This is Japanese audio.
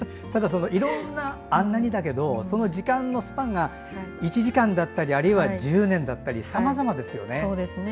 いろんな「あんなに」だけどそのスパンが１時間だったり１０年だったりさまざまですよね。